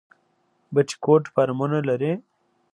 بټي کوټ فارمونه لري؟